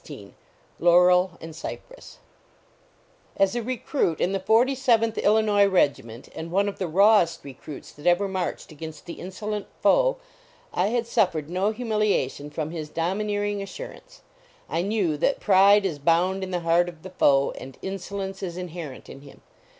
205 LAUREL AND CYPRESS XVI a recruit in the Forty seventh Illinois regiment, and one of the rawest recruits that ever marched against the insolent foe, I had suffered no humiliation from his domineering assur ance. I knew that pride is bound in the heart of the foe, and insolence is in herent in him.